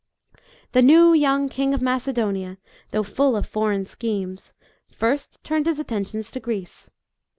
The new young King of Macedonia, though full of foreign schemes, first turned his attentions to Greece.